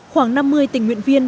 khoảng năm mươi tình nguyện viên